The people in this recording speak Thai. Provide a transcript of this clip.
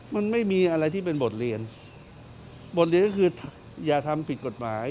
มันไม่มีอะไรที่เป็นบทเรียนบทเรียนก็คืออย่าทำผิดกฎหมาย